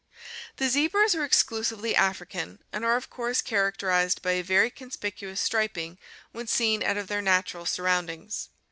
The zebras are exclusively African and are of course characterized by a very conspicuous striping when seen out of their natural sur roundings.